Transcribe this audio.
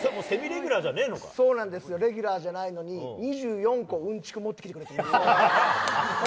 レギュラーじゃねえのに２４個うんちくを持ってきてくれてて。